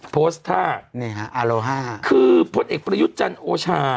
โพสตาร์อโลฮาคือพลตเอกประยุทธ์จันทร์โอชา